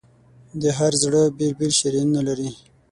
د هر زړه بېل بېل شریانونه لري.